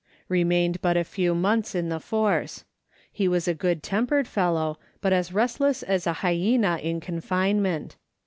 Remained but a few months in the force. He was a good tempered fellow, but as restless as a hyena in confinement.